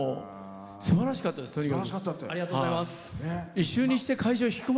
すばらしかったです、とにかく。